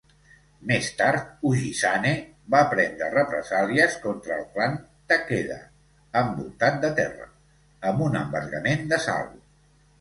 Més tard, Ujizane va prendre represàlies contra el clan Takeda (envoltat de terra) amb un embargament de sal.